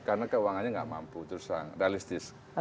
karena keuangannya nggak mampu terus realistis